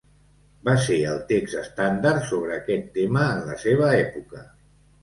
Va ser el text estàndard sobre aquest tema en la seva època.